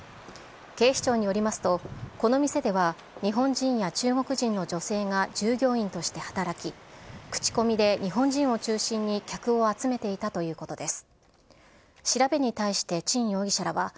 警視庁によりますと、この店では、日本人や中国人の女性が従業員として働き、口コミで日本人を中心に客を集めていたとということです。